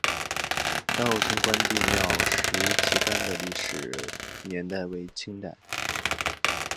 单侯村关帝庙石旗杆的历史年代为清代。